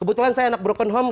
kebetulan saya anak broken home